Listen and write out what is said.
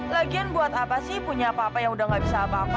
lagian buat apa sih punya papa yang udah nggak bisa apa apa